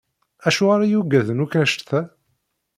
Acuɣer i yugaden akk annect-a?